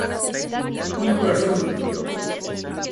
Mi corazón.